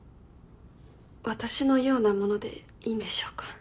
私のような者でいいんでしょうか？